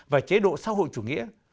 và chế độ xã hội chủ nghĩa